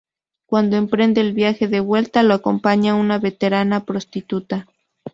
Cuando emprende el viaje de vuelta lo acompaña una veterana prostituta.